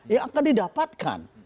yang akan didapatkan